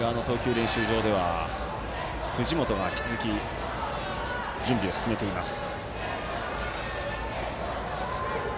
練習場では藤本が引き続き準備を進めています。